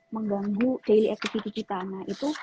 mengganggu aktivitas kita sehari hari nah itu